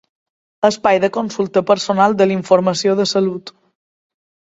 Espai de consulta personal de la informació de salut.